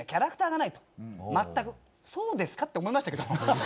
そうですか？って思いましたけど。